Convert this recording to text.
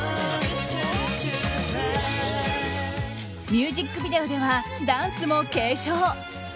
ミュージックビデオではダンスも継承。